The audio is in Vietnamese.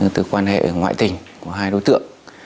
từ quan hệ ngoại tình của hai đối tượng